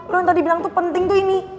lo yang tadi bilang tuh penting tuh ini